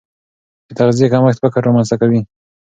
د تغذیې کمښت فقر رامنځته کوي.